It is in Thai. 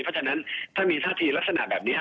เพราะฉะนั้นถ้ามีท่าทีลักษณะแบบนี้